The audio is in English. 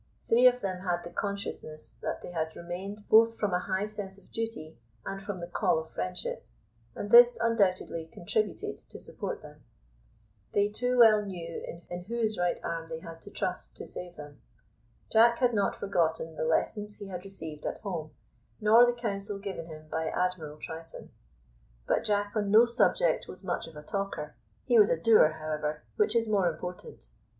Three of them had the consciousness that they had remained both from a high sense of duty and from the call of friendship, and this undoubtedly contributed to support them. They too well knew in whose right arm they had to trust to save them. Jack had not forgotten the lessons he had received at home, nor the counsel given him by Admiral Triton. But Jack on no subject was much of a talker; he was a doer, however, which is more important.